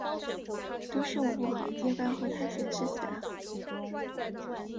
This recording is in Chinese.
都是我不好，要不要我和她解释下？